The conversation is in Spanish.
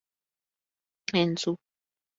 En su